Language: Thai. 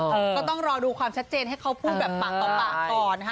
ก็ต้องรอดูความชัดเจนให้เขาพูดแบบปากต่อปากก่อนนะคะ